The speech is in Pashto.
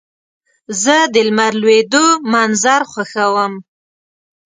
زه د لمر لوېدو منظر خوښوم.